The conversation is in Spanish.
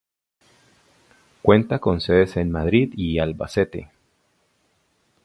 Cuenta con sedes en Madrid y Albacete.